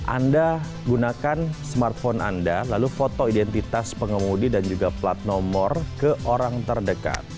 anda gunakan smartphone anda lalu foto identitas pengemudi dan juga plat nomor ke orang terdekat